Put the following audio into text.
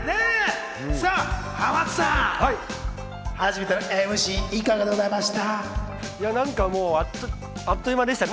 さぁ、濱津さん、初めてのＭＣ、いかがでございました？